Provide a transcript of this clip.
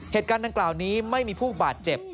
เหตุการณ์ดังกล่าวนี้ไม่มีผู้บาดเจ็บ